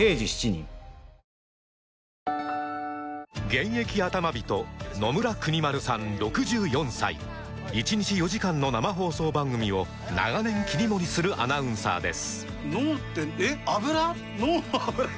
現役アタマ人野村邦丸さん６４歳１日４時間の生放送番組を長年切り盛りするアナウンサーです